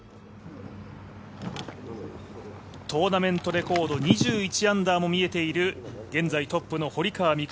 トーナメントレコード２１アンダーも見えている現在トップの堀川未来